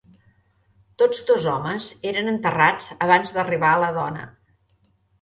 Tots dos homes eren enterrats abans d'arribar a la dona.